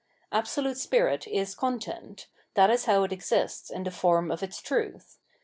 Absolute Spirit is content ; that is how it exists in the form of its truth.